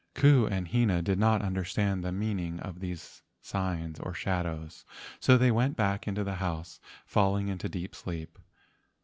Ku and Hina did not understand the meaning of these signs or shadows, so they went back into the house, falling into deep sleep.